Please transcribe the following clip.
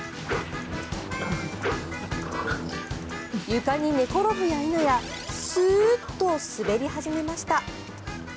床に寝転ぶや否やスーッと滑り始めました。